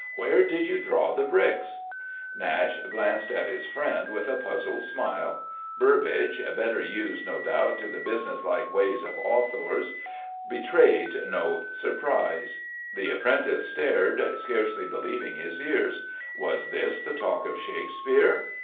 Where did you draw the bricks?" Nashe glanced at his friend with a puzzled smile. Burbage better used, no doubt, to the businesslike ways of authors betrayed no surprise. The apprentice stared, scarcely believing his ears. Was this the talk of Shakespeare?